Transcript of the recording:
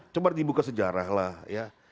coba dibuka sejarah lah ya